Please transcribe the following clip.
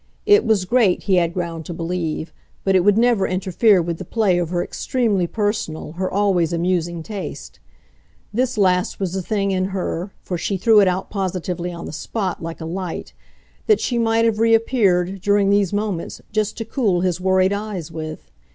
It was great, he had ground to believe, but it would never interfere with the play of her extremely personal, her always amusing taste. This last was the thing in her for she threw it out positively, on the spot, like a light that she might have reappeared, during these moments, just to cool his worried eyes with.